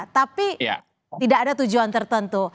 tapi tidak ada tujuan tertentu